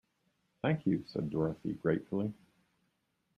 "Thank you," said Dorothy, gratefully.